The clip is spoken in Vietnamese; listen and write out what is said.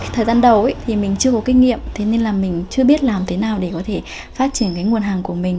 thời gian đầu thì mình chưa có kinh nghiệm thế nên là mình chưa biết làm thế nào để có thể phát triển cái nguồn hàng của mình